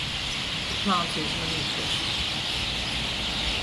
The plant is monoecious.